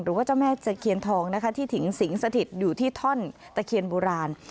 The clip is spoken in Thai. เจ้าแม่ตะเคียนทองนะคะที่ถิงสิงสถิตอยู่ที่ท่อนตะเคียนโบราณ